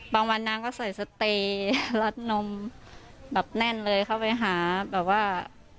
บางวันนางก็ใส่สะเตยรัดนมแน่นเลยเข้าไปหา